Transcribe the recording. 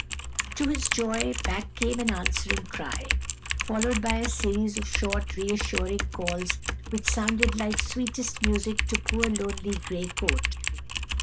To his joy, back came an answering cry, followed by a series of short, reassuring calls which sounded like sweetest music to poor, lonely Gray Coat.